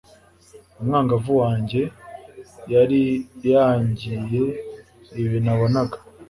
umwangavu wanjye yari yagiye, ibi nabonaga